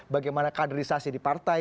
bagaimana kaderisasi di partai